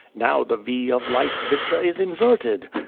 Now the V of life's vista is inverted.